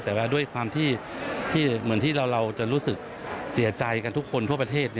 แต่ว่าด้วยความที่เหมือนที่เราจะรู้สึกเสียใจกันทุกคนทั่วประเทศ